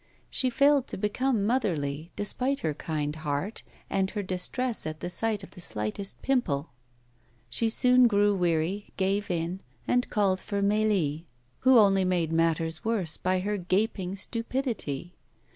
She failed to become motherly, despite her kind heart and her distress at the sight of the slightest pimple. She soon grew weary, gave in, and called for Mélie, who only made matters worse by her gaping stupidity.